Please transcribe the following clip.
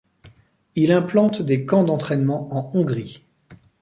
Il implante des camps d’entraînement en Hongrie.